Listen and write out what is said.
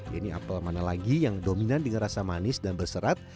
ini apel mana lagi yang dominan dengan rasa manis dan berserat